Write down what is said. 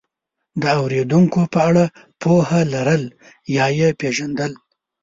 د اورېدونکو په اړه پوهه لرل یا یې پېژندل،